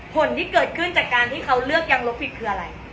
ผลที่เกิดขึ้นจากการที่เขาเลือกยางลบผิดคืออะไร